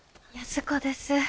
安子です。